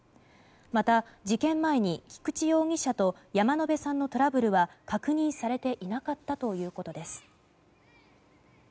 また、事件前に菊池容疑者と山野辺さんのトラブルは確認されていなかったということです。